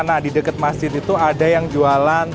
nah di dekat masjid itu ada yang jualan